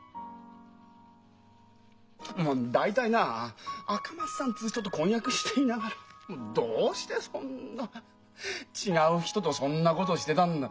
大体な赤松さんっつう人と婚約していながらどうしてそんな違う人とそんなことしてたんだ？